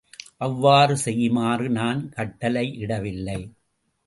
அவ்வாறு செய்யுமாறு நான் கட்டளையிடவில்லை.